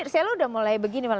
selo udah mulai begini malah